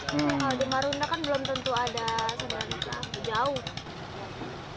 kalau di marunda kan belum tentu ada sebenarnya jauh